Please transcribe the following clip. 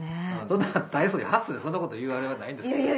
そんな大層に八寸にそんなこというあれはないんですけど。